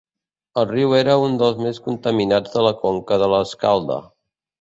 El riu era un dels més contaminats de la conca de l'Escalda.